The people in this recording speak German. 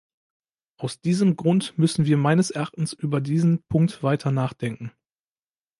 Aus diesem Grund müssen wir meines Erachtens über diesen Punkt weiter nachdenken.